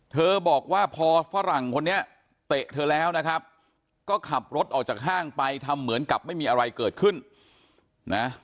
บอกว่าพอฝรั่งคนนี้เตะเธอแล้วนะครับก็ขับรถออกจากห้างไปทำเหมือนกับไม่มีอะไรเกิดขึ้นนะ